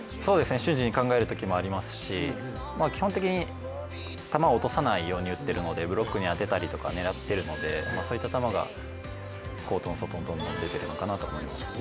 瞬時に考えるときもありますし、基本的に球を落とさないように打っているので、ブロックに当てたりとか狙っているのでそういった球がコートの外に出ているのかなと思います。